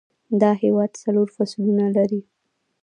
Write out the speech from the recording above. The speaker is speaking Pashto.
دا هیواد څلور فصلونه لري